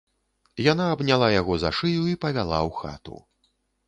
Яна абняла яго за шыю і павяла ў хату.